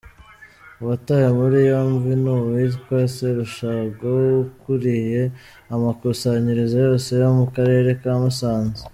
Uwatawe muri yombi ni uwitwa Serushago ukuriye amakusanyirizo yose yo mu Karere ka Musanze.